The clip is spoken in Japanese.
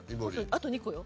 あと２個よ。